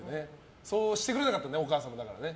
そうしてくれなかったんだお母さんがね。